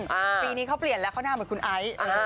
ปีนี้เขาเปลี่ยนแล้วเขาหน้าเหมือนคุณไอซ์